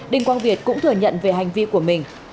đinh quang việt cũng thừa nhận về hành vi của mình